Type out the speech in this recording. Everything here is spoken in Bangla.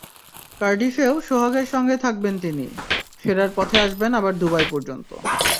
কার্ডিফেও সোহাগের সঙ্গে থাকবেন তিনি, ফেরার পথে আসবেন আবার দুবাই পর্যন্ত।